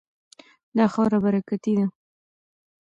دا خاوره برکتي ده.